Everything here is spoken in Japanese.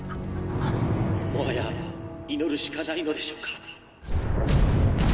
「もはや祈るしかないのでしょうか」。